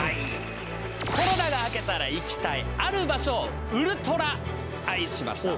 コロナが明けたら行きたいある場所をウルトラアイしました！